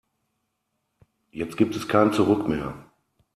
Jetzt gibt es kein Zurück mehr.